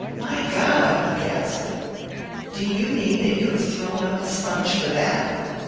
"My God!" he gasped. "Do you mean that you have thrown up the sponge for that?"